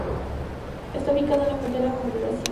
Está ubicada en la frontera con el Brasil.